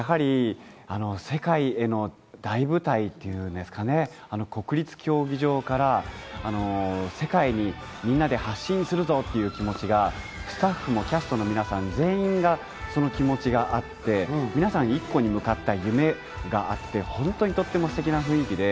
世界の大舞台というんですかね、国立競技場から世界にみんなで発信するぞという気持ちがスタッフもキャストも皆さん、全員その気持ちがあって、皆さん１個に向かった夢があって、本当にステキな雰囲気で。